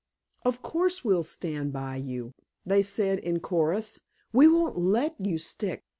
"Of course, we'll stand by you!" they said in chorus. "We won't let you stick!"